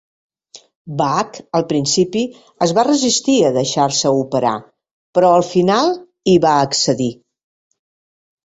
Bach, al principi, es va resistir a deixar-se operar, però al final hi va accedir.